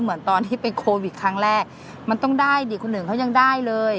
เหมือนตอนที่เป็นโควิดครั้งแรกมันต้องได้ดิคนอื่นเขายังได้เลย